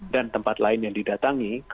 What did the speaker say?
dan tempat lain yang didatangi